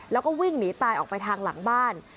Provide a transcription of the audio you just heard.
แล้วก็วิ่งหนีตายออกไปทางหลังบ้าน